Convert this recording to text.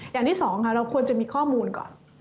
อย่างที่สองค่ะเราควรจะมีข้อมูลก่อน